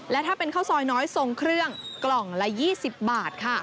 และถ้าเป็นข้าวซอยน้อยทรงเครื่องกล่องละ๒๐บาทค่ะ